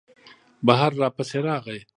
بهر را پسې راغی.